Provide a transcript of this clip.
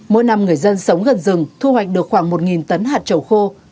mỗi năm người dân sống gần rừng thu hoạch được khoảng một tấn hạt trầu khô